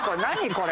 これ。